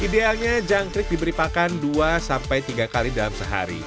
idealnya jangkrik diberi pakan dua sampai tiga kali dalam sehari